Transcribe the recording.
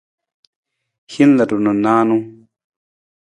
Hin ludu na nijanu.